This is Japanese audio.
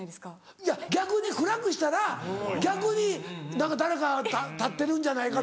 いや逆に暗くしたら逆に何か誰か立ってるんじゃないかとか。